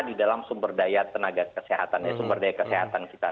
di dalam sumber daya tenaga kesehatan ya sumber daya kesehatan kita